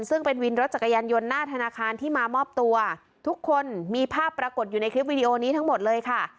ซึ่งเป็นวินรถจักรยานยนต์หน้าธนาคารที่มามอบตัวทุกคนมีภาพปรากฏอยู่ในคลิปวิดีโอนี้ทั้งหมดเลยค่ะ